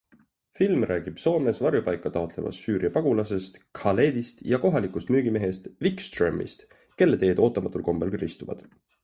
Film räägib Soomes varjupaika taotlevast Süüria pagulasest Khaledist ja kohalikust müügimehest Wikströmist, kelle teed ootamatul kombel ristuvad.